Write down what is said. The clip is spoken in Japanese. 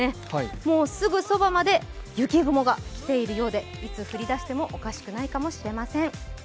もうすぐそばまで雪雲が来ているようでいつ降りだしてもおかしくないかもしれません。